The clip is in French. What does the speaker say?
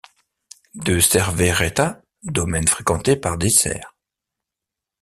De Cerveireta, domaine fréquenté par des cerfs.